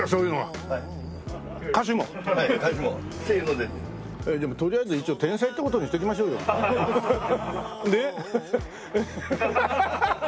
でもとりあえず一応天才って事にしておきましょうよ。ねえ？